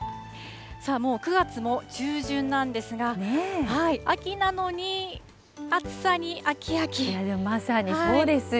さあ、もう９月も中旬なんですが、秋なのに、まさにそうですよ。